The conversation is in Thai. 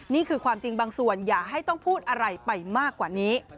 นี่คือความจริงบางส่วนอย่าให้ต้องพูดอะไรไปมากกว่านี้